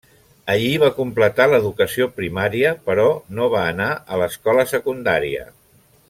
Allí va completar l'educació primària, però no va anar a l'escola secundària.